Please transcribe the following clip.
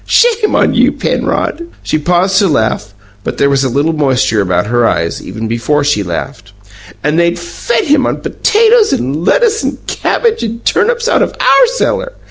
Shame on you, Penrod!" She paused to laugh; but there was a little moisture about her eyes, even before she laughed. "And they'd fed him on potatoes and lettuce and cabbage and turnips out of OUR cellar!